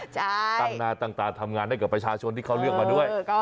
ตั้งหน้าตั้งตาทำงานให้กับประชาชนที่เขาเลือกมาด้วย